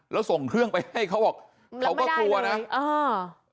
แล้วส่งเครื่องไปให้เขาบอกเขาก็กลัวนะแล้วไม่ได้เลยอ่า